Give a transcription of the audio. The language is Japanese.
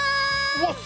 うわっ